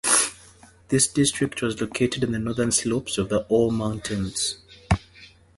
The district was located on the northern slopes of the Ore Mountains.